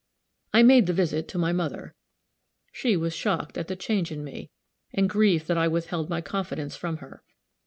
I made the visit to my mother. She was shocked at the change in me, and grieved that I withheld my confidence from her.